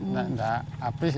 nah enggak habis ya